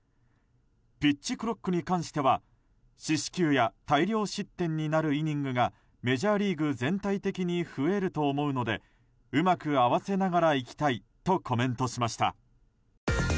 ピッチクロックに関しては四死球や大量失点になるイニングがメジャーリーグ全体的に増えると思うのでうまく合わせながらいきたいとコメントしました。